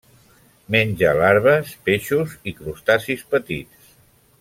Menja larves i peixos i crustacis petits.